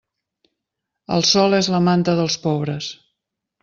El sol és la manta dels pobres.